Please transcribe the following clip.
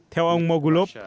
theo ông mogulov